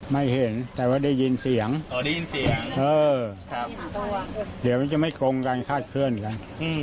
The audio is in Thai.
ไม่เห็นแต่ว่าได้ยินเสียงได้ยินเสียงเออเดี๋ยวมันจะไม่ตรงกันคาดเคลื่อนกัน